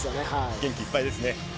元気いっぱいですね。